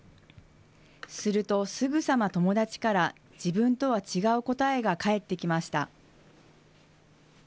するとすぐさま友達から、自分とは違う答えが返ってきました。